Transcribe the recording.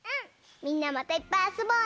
みんなまたいっぱいあそぼうね！